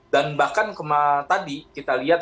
dan bahkan tadi kita lihat